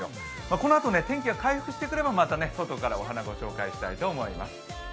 このあと天気が回復してくればまた外からご紹介したいと思います。